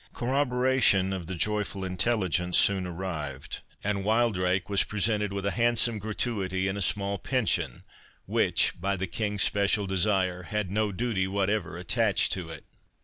Corroboration of the joyful intelligence soon arrived, and Wildrake was presented with a handsome gratuity and small pension, which, by the King's special desire, had no duty whatever attached to it.